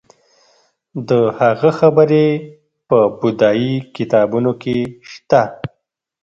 د هغه خبرې په بودايي کتابونو کې شته